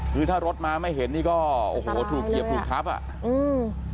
คือถ้ารถมาไม่เห็นนี่ก็โอ้โหถูกเหยียบถูกทับอ่ะอืม